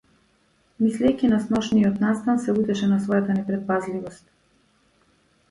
Мислејќи на сношниот настан, се лутеше на својата непретпазливост.